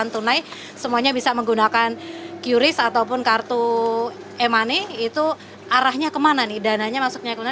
tunai semuanya bisa menggunakan qris ataupun kartu e money itu arahnya kemana nih dananya masuknya kemana